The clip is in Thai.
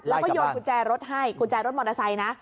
แล้วก็โยนกุญแจรถให้กุญแจรถมอเตอร์ไซค์นะ